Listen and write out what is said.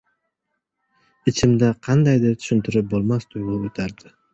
Ichimda qandaydir tushintirib boʻlmas tuygʻu oʻtardi.